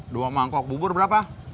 dua mangkok bubur berapa